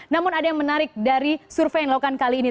namun ada yang menarik dari survei yang dilakukan kali ini